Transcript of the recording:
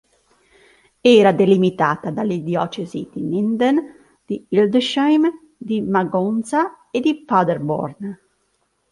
Era delimitata dalle diocesi di Minden, di Hildesheim, di Magonza e di Paderborn.